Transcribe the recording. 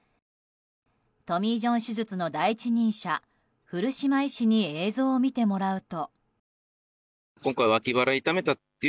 トミー・ジョン手術の第一人者古島医師に映像を見てもらうと。